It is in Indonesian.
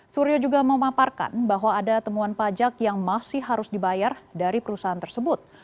suryo juga memaparkan bahwa ada temuan pajak yang masih harus dibayar dari perusahaan tersebut